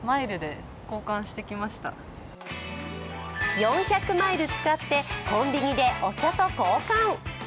４００マイル使ってコンビニでお茶と交換。